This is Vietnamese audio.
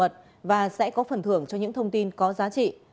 bảo mật và sẽ có phần thưởng cho những thông tin có giá trị